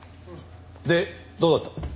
でどうだった？